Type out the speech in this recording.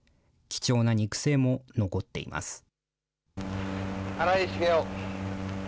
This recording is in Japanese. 貴重な肉声も残っています。